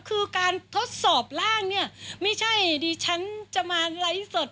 คือการทดสอบร่างเนี้ยไม่ได้ดิชั้นจะมาหลายสด